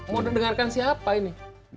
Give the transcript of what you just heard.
mau dengarkan siapa ini